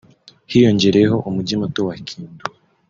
hiyongereyeho Umujyi muto wa Kindu